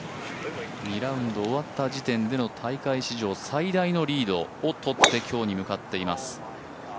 ２ラウンド終わった時点での大会史上最大のリードをとって今日に向かっています。